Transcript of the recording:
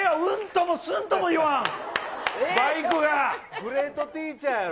グレートティーチャーやろ。